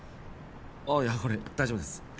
ああいやこれ大丈夫です。